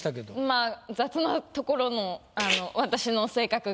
まぁ雑なところ私の性格が。